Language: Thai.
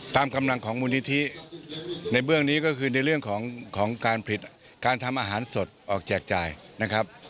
ตามกำลังของมูลนิธิในเบื้องนี้ก็คือในเรื่องของการผลิตการทำอาหารสดออกแจกจ่ายนะครับ